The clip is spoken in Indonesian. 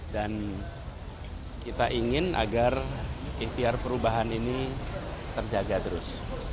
dan kita ingin agar ikhtiar perubahan ini terjaga terus